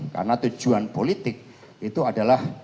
karena tujuan politik itu adalah